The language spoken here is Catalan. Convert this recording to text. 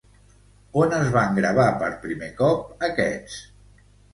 On es van gravar per primer cop aquests?